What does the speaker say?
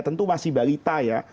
tentu masih balita ya